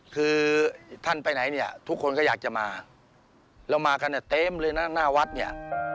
คือท่านไปไหนเนี่ยทุกคนก็อยากจะมาเรามากันเนี่ยเต็มเลยนะหน้าวัดเนี่ย